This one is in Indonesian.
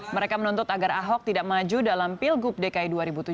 mereka menuntut agar ahok tidak maju dalam pilgub dki dua ribu tujuh belas